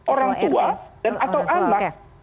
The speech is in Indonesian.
orang tua atau anak